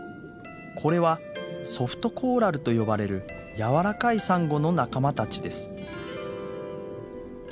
これはソフトコーラルと呼ばれる柔らかいサンゴの仲間たちです。